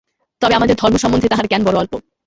তবে আমাদের ধর্ম সম্বন্ধে তাঁহার জ্ঞান বড় অল্প।